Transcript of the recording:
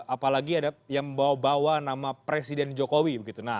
apalagi ada yang membawa bawa nama presiden jokowi